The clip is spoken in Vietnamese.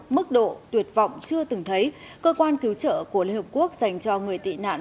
mức độ tuyệt vọng chưa từng thấy cơ quan cứu trợ của liên hợp quốc dành cho người tị nạn